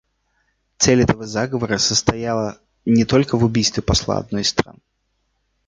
Цель этого заговора состояла не только в убийстве посла одной из стран.